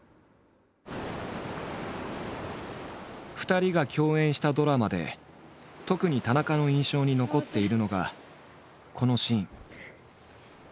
２人が共演したドラマで特に田中の印象に残っているのがこのシーン。